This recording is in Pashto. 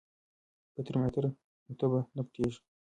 که ترمامیتر وي نو تبه نه پټیږي.